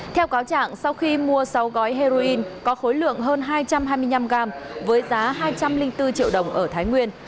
theo cáo trạng sau khi mua sáu gói heroin có khối lượng hơn hai trăm hai mươi năm g với giá hai trăm linh bốn triệu đồng ở thái nguyên